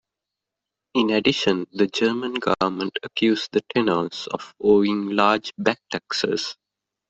In addition, the German government accused the tenors of owing large back-taxes.